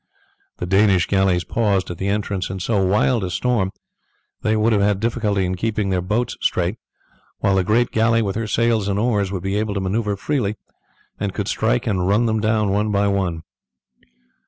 The Danish galleys paused at the entrance. In so wild a storm they would have had difficulty in keeping their boats straight, while the great galley with her sails and oars would be able to maneuver freely, and could strike and run them down one by one.